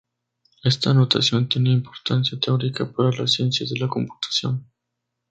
Esta notación tiene importancia teórica para las ciencias de la computación.